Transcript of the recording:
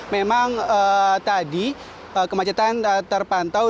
memang tadi kemacetan terpantau